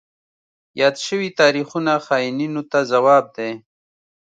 یاد شوي تاریخونه خاینینو ته ځواب دی.